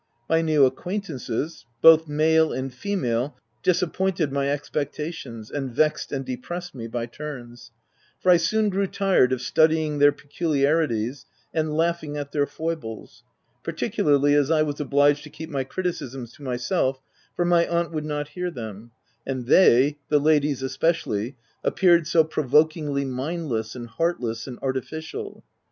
My new acquaint ances, both male and female, disappointed my expectations, and vexed and depressed me by turns ; for I soon grew tired of studying their peculiarities, and laughing at their foibles — par ticularly as I was obliged to keep my criticisms to myself, for my aunt would not hear them — and they — the ladies especially — appeared so provokingly mindless, and heartless, and artifi cial.